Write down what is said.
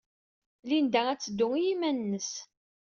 Linda ad teddu i yiman-nnes.